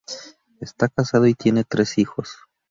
Está casado y tiene tres hijos.